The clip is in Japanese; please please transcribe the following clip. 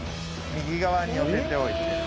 右側に寄せておいて。